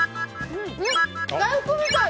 大福みたい！